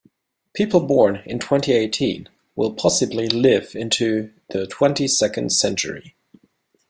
People born in twenty-eighteen will possibly live into the twenty-second century.